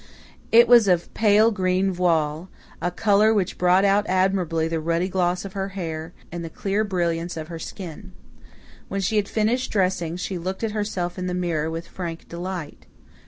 It was of pale green voile a colour which brought out admirably the ruddy gloss of her hair and the clear brilliance of her skin. When she had finished dressing she looked at herself in the mirror with frank delight.